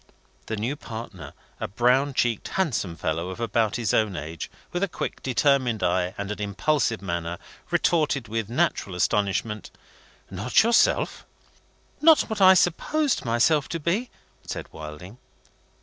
The new partner, a brown cheeked handsome fellow, of about his own age, with a quick determined eye and an impulsive manner, retorted with natural astonishment: "Not yourself?" "Not what I supposed myself to be," said Wilding.